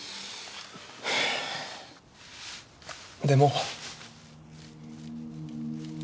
でも。